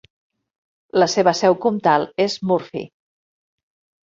La seva seu comtal és Murphy.